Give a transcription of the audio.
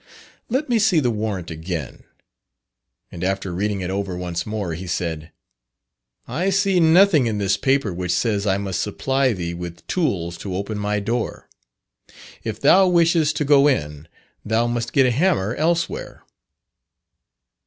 "Let me see the warrant again." And after reading it over once more, he said, "I see nothing in this paper which says I must supply thee with tools to open my door; if thou wishes to go in, thou must get a hammer elsewhere."